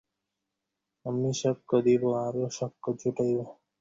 আমি সাক্ষ্য দিব এবং আরো সাক্ষ্য জুটাইব।